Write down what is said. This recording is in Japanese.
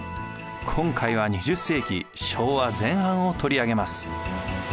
今回は２０世紀昭和前半を取り上げます。